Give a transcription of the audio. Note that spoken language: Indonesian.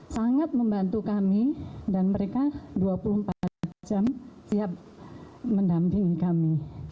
sangat membantu kami dan mereka dua puluh empat jam siap mendampingi kami